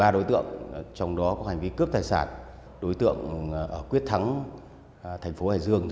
ba đối tượng trong đó có hành vi cướp tài sản đối tượng quyết thắng thành phố hải dương